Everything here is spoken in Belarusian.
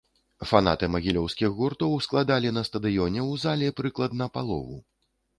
Фанаты магілёўскіх гуртоў складалі на стадыёне у зале прыкладна палову.